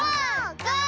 ゴー！